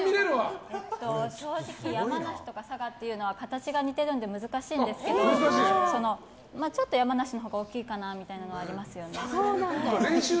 正直、山梨とか佐賀は形が似ているので難しいんですけどちょっと山梨のほうが大きいみたいなのはありますよね。